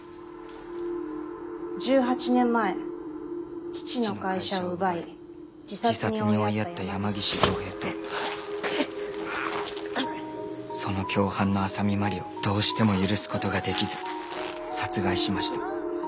「十八年前父の会社を奪い」「自殺に追いやった山岸凌平とその共犯の浅見麻里をどうしても許すことができず殺害しました」